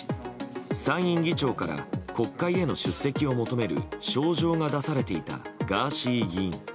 参院議長から国会への出席を求める招状が出されていたガーシー議員。